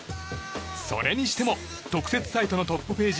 それにしても特設サイトのトップページ